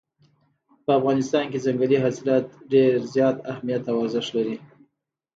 په افغانستان کې ځنګلي حاصلات ډېر زیات اهمیت او ارزښت لري.